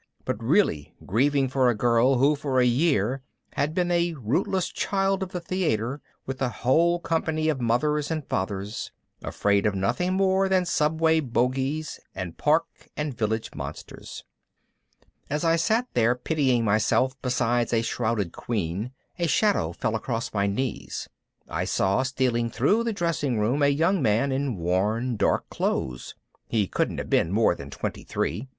but really grieving for a girl who for a year had been a rootless child of the theater with a whole company of mothers and fathers, afraid of nothing more than subway bogies and Park and Village monsters. As I sat there pitying myself beside a shrouded queen, a shadow fell across my knees. I saw stealing through the dressing room a young man in worn dark clothes. He couldn't have been more than twenty three.